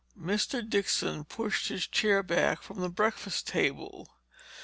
Mr. Dixon pushed his chair back from the breakfast table.